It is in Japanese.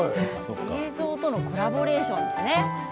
映像とのコラボレーション。